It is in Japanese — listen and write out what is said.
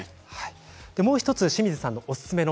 もう１つ清水さんおすすめの